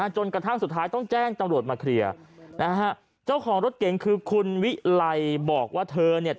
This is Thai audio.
จนกระทั่งสุดท้ายต้องแจ้งตำรวจมาเคลียร์นะฮะเจ้าของรถเก๋งคือคุณวิไลบอกว่าเธอเนี่ย